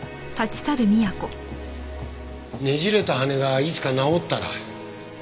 ねじれた羽がいつか治ったら。